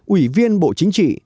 ủy viên bộ chính trị